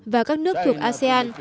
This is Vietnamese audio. và các nước thuộc asean